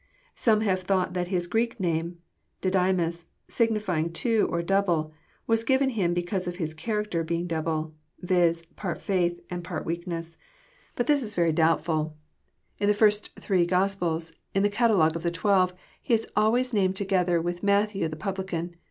Some have thought that his Greek name '< Didymus," signify ing " two " or " double," was given him because of his character being double, viz., part faith and part weakness. But this it 254 EXPOSITORY THOLOHTS. very doubtfbl. In the first three Gospels, in the catalogue of the twelve, he Is always Darned together with Matthew the publican.